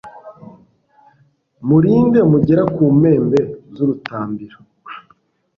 murinde mugera ku mpembe z’urutambiro